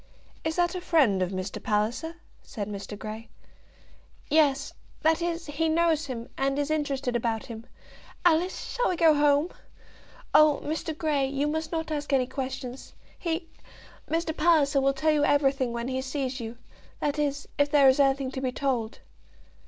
"Is that a friend of Mr. Palliser?" said Mr. Grey. "Yes; that is, he knows him, and is interested about him. Alice, shall we go home? Oh! Mr. Grey, you must not ask any questions. He, Mr. Palliser, will tell you everything when he sees you, that is, if there is anything to be told."